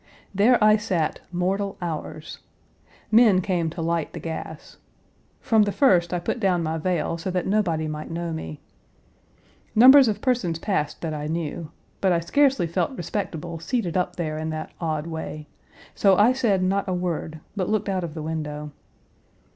There I sat mortal hours. Men came to light the gas. From the first I put down my veil so that nobody might know me. Numbers of persons passed that I knew, but I scarcely felt respectable seated up there in that odd way, so I said not a word but looked out of the window.